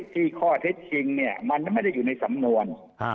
ที่ข้อเท็จจริงมันไม่ได้อยู่ในสำนวน